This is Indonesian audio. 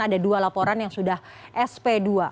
ada dua laporan yang sudah sp dua